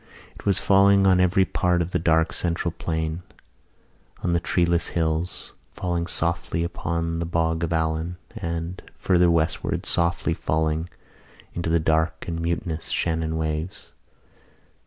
It was falling on every part of the dark central plain, on the treeless hills, falling softly upon the Bog of Allen and, farther westward, softly falling into the dark mutinous Shannon waves.